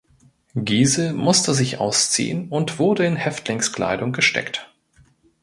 Giesel musste sich ausziehen und wurde in Häftlingskleidung gesteckt.